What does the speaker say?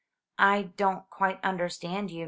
"I don't quite understand you.